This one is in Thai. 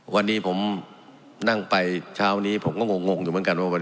วันนี้ผมนั่งไปเช้านี้ผมก็งงอยู่เหมือนกันว่า